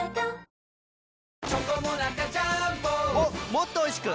もっとおいしく！